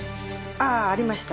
ああありました。